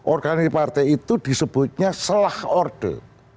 organisasi partai itu disebutnya selah orde